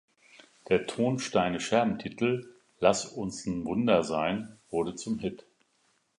Der Ton-Steine-Scherben-Titel "Lass uns’n Wunder sein" wurde zum Hit.